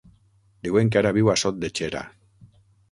Diuen que ara viu a Sot de Xera.